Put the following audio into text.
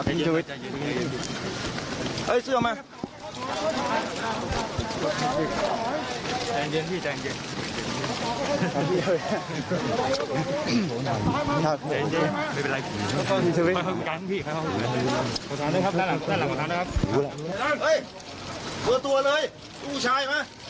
เมื่อตัวเลยหลุมผู้ชายมา